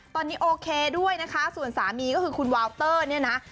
ตอนนี้โอเคด้วยนะคะส่วนสามีก็คือคุณวาวเตอร์เนี่ยนะ